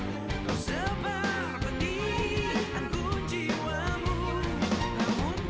diiringi syardu lembut lakumu